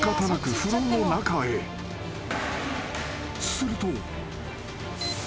［すると］